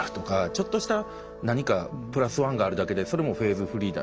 ちょっとした何かプラスワンがあるだけでそれもフェーズフリーだ。